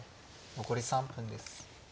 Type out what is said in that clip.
残り３分です。